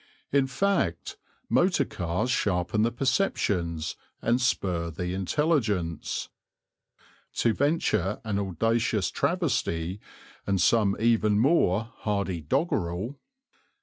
In fact, motor cars sharpen the perceptions and spur the intelligence. To venture an audacious travesty, and some even more hardy doggerel: _...